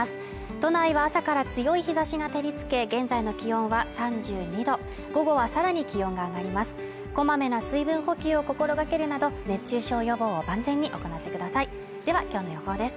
都内は朝から強い日差しが照りつけ現在の気温は３２度午後はさらに気温が上がりますこまめな水分補給を心がけるなど熱中症予防を万全に行ってくださいでは今日の予報です